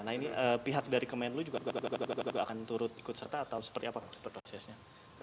nah ini pihak dari kemenlu juga akan turut ikut serta atau seperti apa prosesnya